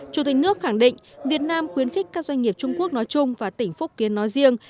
chủ tịch nước khẳng định việt nam khuyến khích các doanh nghiệp trung quốc nói chung và tỉnh phúc kiến nói riêng